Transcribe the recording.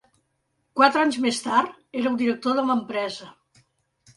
Quatre anys més tard, era el director de l'empresa.